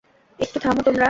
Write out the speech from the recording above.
একটু থামো তোমরা!